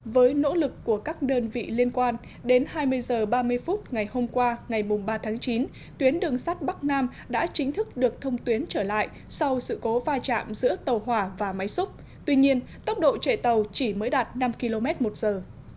với nỗ lực của các đơn vị liên quan đến hai mươi h ba mươi phút ngày hôm qua ngày ba tháng chín tuyến đường sắt bắc nam đã chính thức được thông tuyến trở lại sau sự cố va chạm giữa tàu hỏa và máy xúc tuy nhiên tốc độ chạy tàu chỉ mới đạt năm km một giờ